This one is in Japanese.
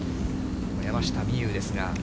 山下美夢有ですが。